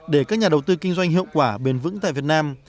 để các nhà đầu tư kinh doanh hiệu quả bền vững tại việt nam